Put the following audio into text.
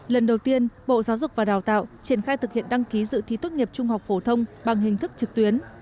lần đầu tiên bộ giáo dục và đào tạo triển khai thực hiện đăng ký dự thi tốt nghiệp trung học phổ thông bằng hình thức trực tuyến